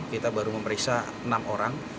kita baru memeriksa enam orang